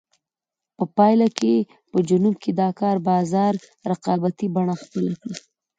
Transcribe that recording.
په پایله کې په جنوب کې د کار بازار رقابتي بڼه خپله کړه.